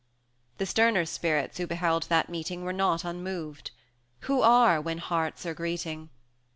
200 IX. The sterner spirits who beheld that meeting Were not unmoved; who are, when hearts are greeting?